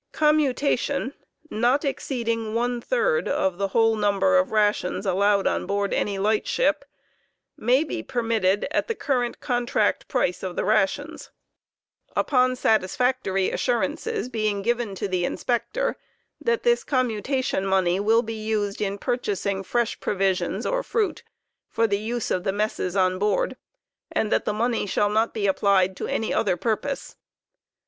Commutation, not exceeding one third of the whole number of rations allowed Commute tlon on board any light ship, may be permitted at the current contract price of the rations, of rati0D8, 16 ■* upon satisfactory assurances being given to the Inspector that this commutation money will bo used in purchasing fresh provisions or fruit for the use of the messes on board, and that the money shall not be applied to\ny other purpose.